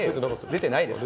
出てないです。